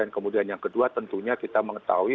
kemudian yang kedua tentunya kita mengetahui